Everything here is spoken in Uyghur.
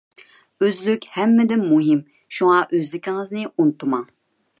ئۆزلۈك ھەممىدىن مۇھىم. شۇڭا ئۆزلۈكىڭىزنى ئۇنتۇماڭ!